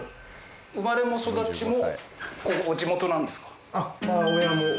生まれも育ちもここ地元なんですか？